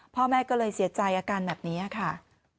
พ่อแม่ก็เลยเสียใจอาการแบบนี้ค่ะ